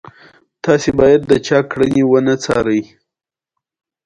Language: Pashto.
دوی به ځنګلونو ته تښتېدل او هلته به اوسېدل.